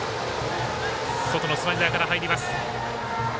外のスライダーから入りました。